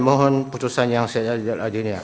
mohon putusan yang saya jelajahin